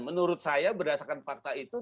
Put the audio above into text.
menurut saya berdasarkan fakta itu